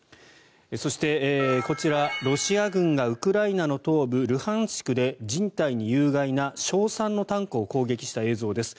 そしてこちら、ロシア軍がウクライナの東部ルハンシクで人体に有害な硝酸のタンクを攻撃した映像です。